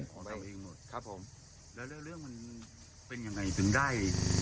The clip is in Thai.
ครับผมแล้วเรื่องมันเป็นยังไงถึงได้